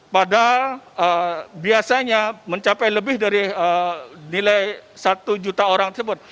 padahal biasanya mencapai lebih dari nilai satu juta orang tersebut